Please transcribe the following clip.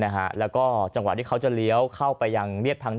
นะฮะแล้วก็จังหวะที่เขาจะเลี้ยวเข้าไปยังเรียบทาง